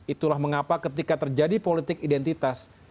itulah mengapa ketika terjadi politik identitas